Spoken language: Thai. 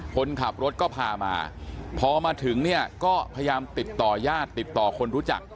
คนขับรถก็พามาพอมาถึงเนี่ยก็พยายามติดต่อญาติติดต่อคนรู้จัก